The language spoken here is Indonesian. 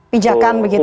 pijakan begitu ya